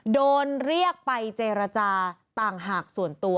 โดนเรียกไปเจรจาต่างหากส่วนตัว